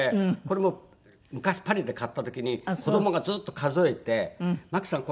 これ昔パリで買った時に子どもがずっと数えて「麻紀さん